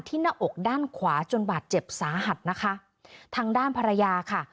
หน้าอกด้านขวาจนบาดเจ็บสาหัสนะคะทางด้านภรรยาค่ะ